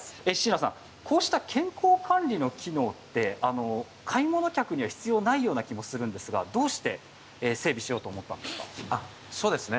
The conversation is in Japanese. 椎名さん、こうした健康管理の機能って買い物客には必要ないような気もするんですが、どうして整備しようと思ったんですか？